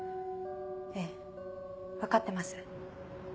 ええ分かってます。